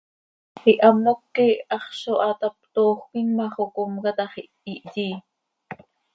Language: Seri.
Ihamoc quih haxz zo haa tap, toojöquim ma, xocomca tax, ihyí.